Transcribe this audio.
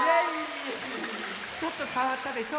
ちょっとかわったでしょ？